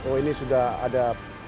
oh ini sudah ada